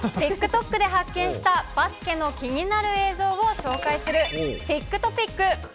ＴｉｋＴｏｋで発見した、バスケの気になる映像を紹介する、ティックトピック。